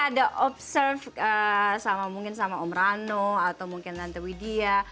ada observe sama mungkin sama om rano atau mungkin nante widya